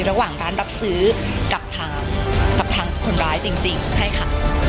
ระหว่างร้านรับซื้อกับทางกับทางคนร้ายจริงใช่ค่ะ